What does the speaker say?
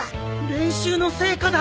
練習の成果だ。